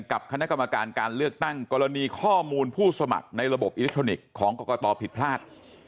กับคณะกรรมการการเลือกตั้งกรณีข้อมูลผู้สมัครในระบบอิเล็กทรอนิกส์ของกรกตผิดพลาด